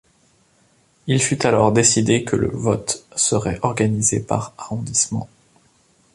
Il fut alors décidé que le vote serait organisé par arrondissement.